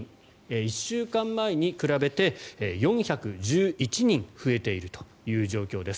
１週間前に比べて４１１人増えているという状況です。